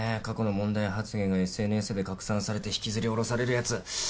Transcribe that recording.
過去の問題発言がＳＮＳで拡散されて引きずり降ろされるやつ。